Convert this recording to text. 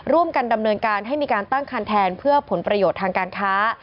ร่วมกันดำเนินการให้มีการตั้งคันแทนเพื่อผลประโยชน์ทางการค้า